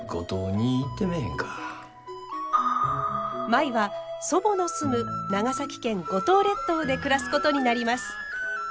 舞は祖母の住む長崎県五島列島で暮らすことになります。